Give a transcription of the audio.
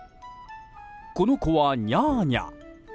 この子は、ニャーニャ。